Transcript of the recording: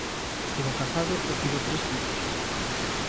Estivo casado e tivo tres fillos.